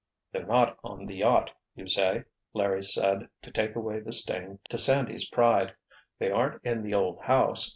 "They're not on the yacht, you say," Larry said to take away the sting to Sandy's pride. "They aren't in the old house.